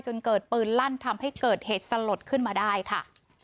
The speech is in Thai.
จนเกิดปืนลั่นทำให้เกิดเหตุสลดขึ้นมาได้ค่ะ